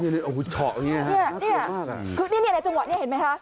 นี่ในจังหวัดนี้เห็นมั้ยคะ